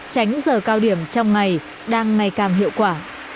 tránh giờ cao điểm trong ngày đang may cam hiệu quả